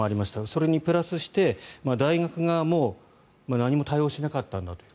それにプラスして大学側も何も対応しなかったんだという。